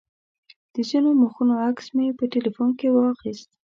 د ځینو مخونو عکس مې په تیلفون کې واخیست.